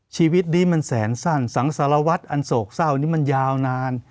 ชีวิตนี้มันแสนสั้นสังสารวัตรอันโศกเศร้านี้มันยาวนาน